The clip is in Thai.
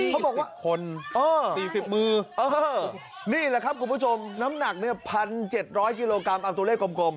เขาบอกว่าคน๔๐มือนี่แหละครับคุณผู้ชมน้ำหนักเนี่ย๑๗๐๐กิโลกรัมเอาตัวเลขกลม